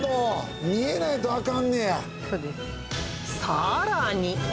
さらに。